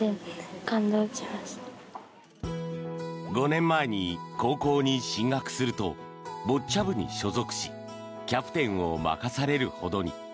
５年前に高校に進学するとボッチャ部に所属しキャプテンを任されるほどに。